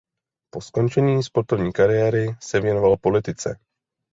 Po skončení sportovní kariéry se věnoval politice.